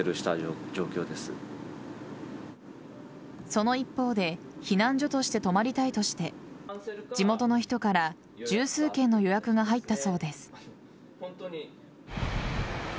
その一方で避難所として泊まりたいとして地元の人から十数件の予約が入ったそうです。